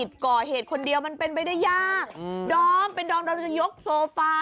ชศร้อยเมตรโอ้